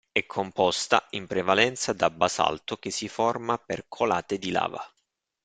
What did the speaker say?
È composta in prevalenza da basalto, che si forma per colate di lava.